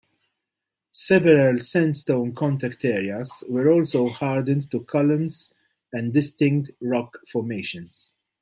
Several sandstone contact areas were also hardened to columns and distinct rock formations.